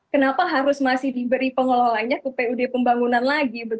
kenapa harus masih diberi pengelolanya ke pud pembangunan lagi